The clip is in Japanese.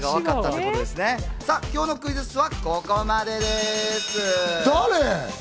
今日のクイズッスはここまで誰？